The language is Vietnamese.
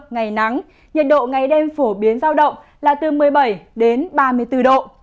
ngày nắng nhiệt độ ngày đêm phổ biến giao động là từ một mươi bảy đến ba mươi bốn độ